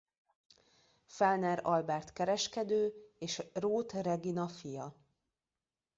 Fellner Albert kereskedő és Róth Regina fia.